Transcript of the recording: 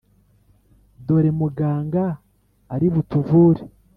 Dore Muganga ari butuvure!"